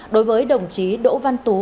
đối với đồng chí đỗ văn tú